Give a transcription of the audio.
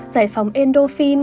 giải phóng endorphin